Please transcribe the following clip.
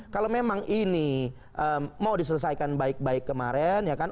kalau memang ini mau diselesaikan baik baik kemarin